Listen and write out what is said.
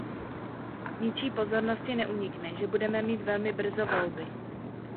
Ničí pozornosti neunikne, že budeme mít velmi brzy volby.